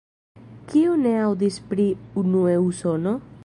Kiu ne aŭdis pri "Unue Usono"?